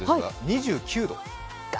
２９度。